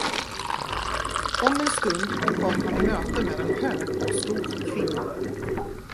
Om en stund kom han i möte med en hög och stor kvinna.